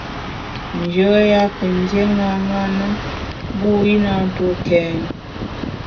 Njoya kù ndié ṅaṅâ na, mbu i na ntue kèn.